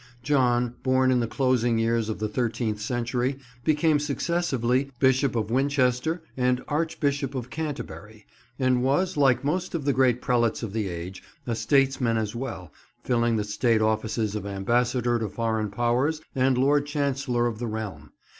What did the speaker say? John, born in the closing years of the thirteenth century, became successively Bishop of Winchester and Archbishop of Canterbury, and was, like most of the great prelates of the age, a statesman as well, filling the State offices of ambassador to foreign powers and Lord Chancellor of the realm.